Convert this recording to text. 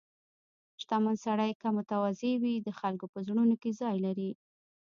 • شتمن سړی که متواضع وي، د خلکو په زړونو کې ځای لري.